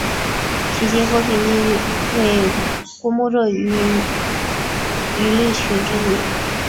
其妻郭平英为郭沫若与于立群之女。